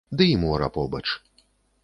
Ды і мора побач.